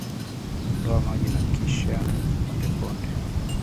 Ondoa maji na kisha ukipondeponde